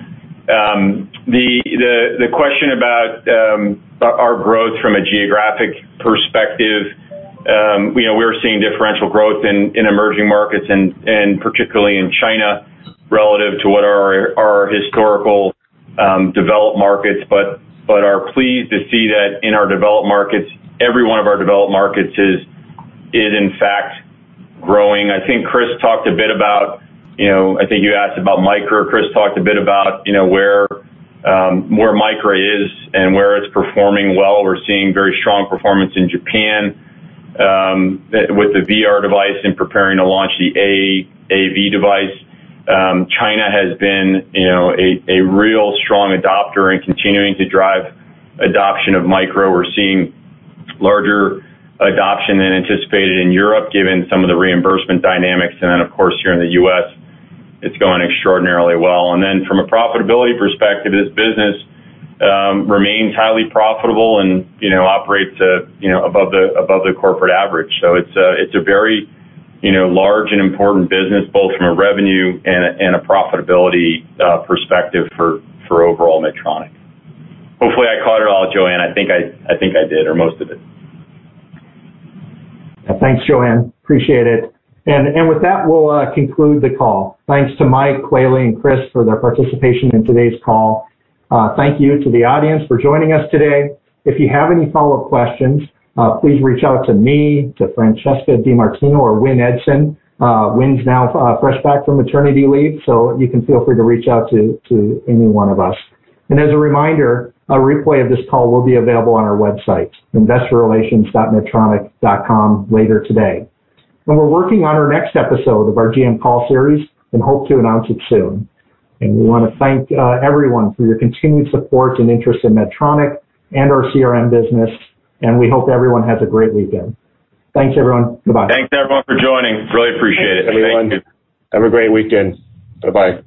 The question about our growth from a geographic perspective. We're seeing differential growth in emerging markets and particularly in China relative to what our historical developed markets. Are pleased to see that in our developed markets, every one of our developed markets is in fact growing. I think Chris talked a bit about, I think you asked about Micra. Chris talked a bit about where Micra is and where it's performing well. We're seeing very strong performance in Japan with the Micra VR and preparing to launch the Micra AV. China has been a real strong adopter and continuing to drive adoption of Micra. We're seeing larger adoption than anticipated in Europe, given some of the reimbursement dynamics. Of course, here in the U.S., it's going extraordinarily well. From a profitability perspective, this business remains highly profitable and operates above the corporate average. It's a very large and important business, both from a revenue and a profitability perspective for overall Medtronic. Hopefully, I caught it all, Joanne. I think I did, or most of it. Thanks, Joanne. Appreciate it. With that, we'll conclude the call. Thanks to Mike, Kweli, and Chris for their participation in today's call. Thank you to the audience for joining us today. If you have any follow-up questions, please reach out to me, to Francesca DeMartino, or Wynn Edson. Wynn's now fresh back from maternity leave, so you can feel free to reach out to any one of us. As a reminder, a replay of this call will be available on our website, investorrelations.medtronic.com, later today. We're working on our next episode of our GM Call series and hope to announce it soon. We want to thank everyone for your continued support and interest in Medtronic and our CRM business, and we hope everyone has a great weekend. Thanks, everyone. Bye-bye. Thanks, everyone, for joining. Really appreciate it. Thank you. Thanks, everyone. Have a great weekend. Bye-bye.